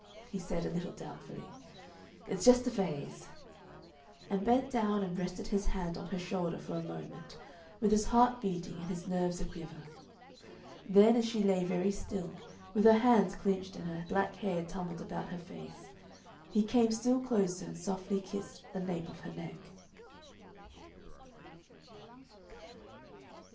he said, a little doubtfully, "it's just a phase," and bent down and rested his hand on her shoulder for a moment, with his heart beating and his nerves a quiver. Then as she lay very still, with her hands clinched and her black hair tumbled about her face, he came still closer and softly kissed the nape of her neck....